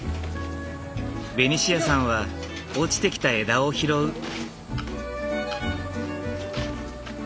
ベニシアさんは落ちてきた枝を拾う。